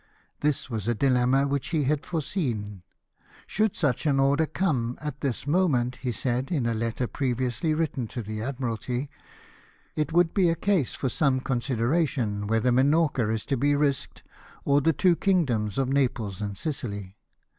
This was a dilemma which he had foreseen. " Should such an order come at this moment," he said, in a letter previously written to the Admiralty, 190 LIFE OF NELSON. " it would be a case for some consideration whether Minorca is to be risked or the two kingdoms of Naples and Sicily.